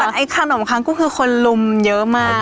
แต่ขนมค้างกุ้งคือคนลุมเยอะมาก